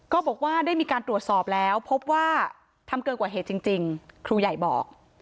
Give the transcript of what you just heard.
ก็บอกว่าได้มีการตรวจสอบแล้วพบว่าทำเกินกว่าเหตุจริงครูใหญ่บอก